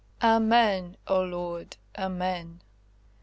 Amen, O Lord, amen!"